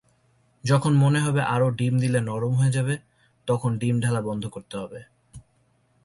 যখন মনে হবে আরো ডিম দিলে নরম হয়ে যাবে, তখন ডিম ঢালা বন্ধ করতে হবে।